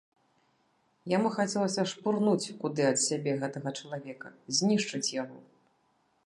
Яму хацелася шпурнуць куды ад сябе гэтага чалавека, знішчыць яго.